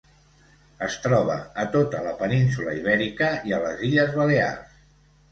Es troba a tota la península Ibèrica i a les illes Balears.